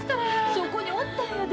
そこにおったんやで。